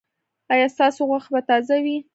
ایا ستاسو غوښه به تازه وي؟